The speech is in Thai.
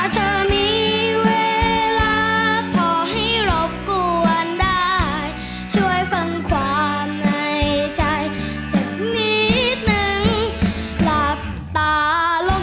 เสร็จนิดหนึ่งหลับตาลง